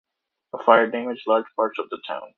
A fire damaged large parts of the town.